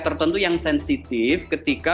tertentu yang sensitif ketika